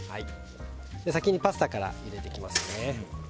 先にパスタから入れていきます。